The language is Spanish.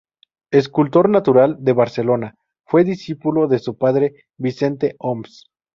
Escultor natural de Barcelona, fue discípulo de su padre Vicente Oms.